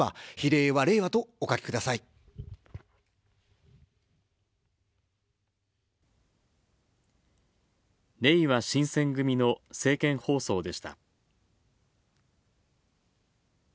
れいわ新選組の政見放送でした。